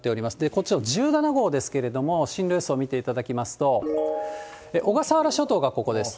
こっちの１７号ですけれども、進路予想を見ていただきますと、小笠原諸島がここです。